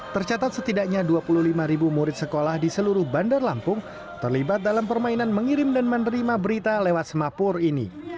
tercatat setidaknya dua puluh lima murid sekolah di seluruh bandar lampung terlibat dalam permainan mengirim dan menerima berita lewat semapur ini